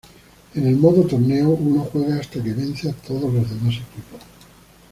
En el modo torneo, uno juega hasta que vence a todos los demás equipos.